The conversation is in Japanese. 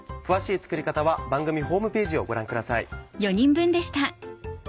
詳しい作り方は番組ホームページをご覧ください。